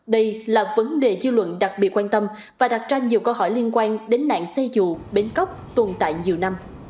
đây là vấn đề dư luận đặc biệt quan tâm và đặt ra nhiều câu hỏi liên quan đến nạn xe dụ bến cóc tồn tại nhiều năm